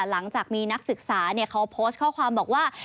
หลังจากมีนักศึกษาเขาโพสต์ข้อความบอกว่า